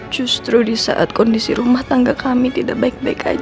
justru di saat kondisi rumah tangga kami tidak baik baik saja